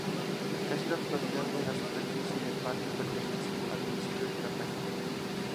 Casi la totalidad de la superficie del parque pertenece al municipio de Cartagena.